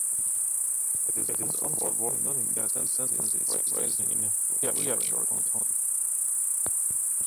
It is also worth noting that the sentence is phrased in a reassuring tone.